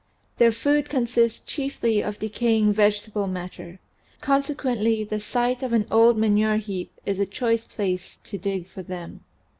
Their food consists chiefly of decaying vegetable matter; consequently the site of an old manure heap is a choice place to dig for them.